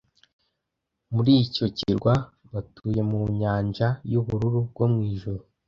Muri icyo Kirwa batuye mu nyanja yubururu bwo mu ijuru,